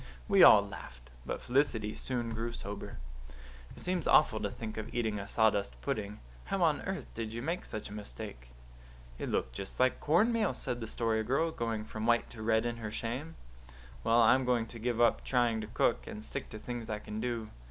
We all laughed. But Felicity soon grew sober. "It seems awful to think of eating a sawdust pudding. How on earth did you make such a mistake?" "It looked just like cornmeal," said the Story Girl, going from white to red in her shame. "Well, I'm going to give up trying to cook, and stick to things I can do.